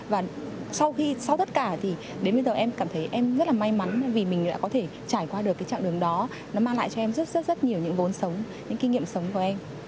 và sau khi sau tất cả thì đến bây giờ em cảm thấy em rất là may mắn vì mình đã có thể trải qua được cái trạng đường đó nó mang lại cho em rất rất nhiều những vốn sống những kinh nghiệm sống của em